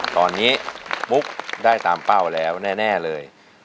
ตอนนี้มุกได้ตามเป้าแล้วแน่เลย